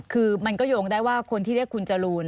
คือมันก็โยงได้ว่าคนที่เรียกคุณจรูน